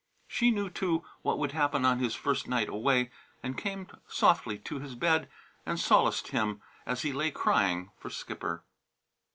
She knew, too, what would happen on his first night away, and came softly to his bed and solaced him as he lay crying for Skipper.